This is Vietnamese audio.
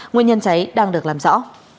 nguyên nhân cháy đang được làm rõ